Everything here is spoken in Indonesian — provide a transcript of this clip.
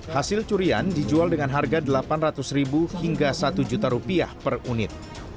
hasil curian dijual dengan harga rp delapan ratus hingga rp satu per unit